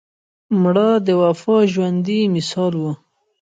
مړه د وفا ژوندي مثال وه